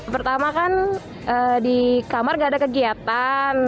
pertama kan di kamar gak ada kegiatan